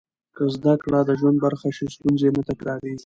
که زده کړه د ژوند برخه شي، ستونزې نه تکرارېږي.